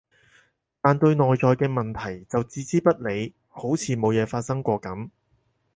但對內在嘅問題就置之不理，好似冇嘢發生過噉